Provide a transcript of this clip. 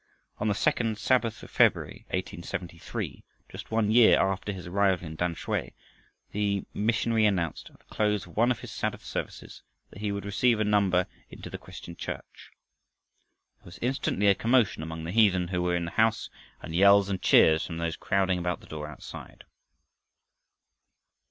On the second Sabbath of February, 1873, just one year after his arrival in Tamsui, the missionary announced, at the close of one of his Sabbath services, that he would receive a number into the Christian church. There was instantly a commotion among the heathen who were in the house, and yells and jeers from those crowding about the door outside.